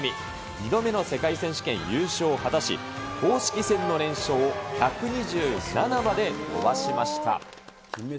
２度目の世界選手権優勝を果たし、公式戦の連勝を１２７まで伸ばしました。